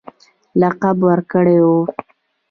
لقب ورکړی وو.